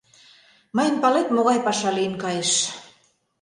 Мыйын, палет, могай паша лийын кайыш?